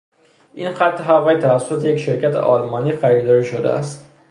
این خط هوایی توسط یک شرکت آلمانی خریداری شده است.